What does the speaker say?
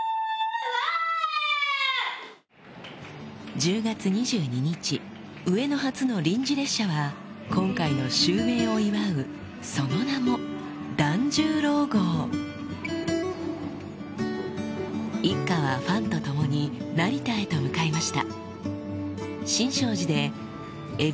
１０月２２日上野発の臨時列車は今回の襲名を祝うその名も一家はファンと共に成田へと向かいました